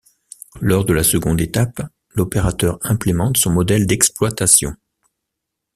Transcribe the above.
Lors de la seconde étape, l'opérateur implémente son modèle d’exploitation.